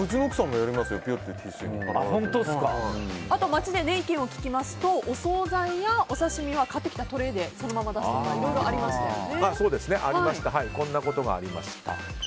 街で意見を聞きますとお総菜やお刺し身は買ってきたトレイでそのまま出すとかこんなことがありました。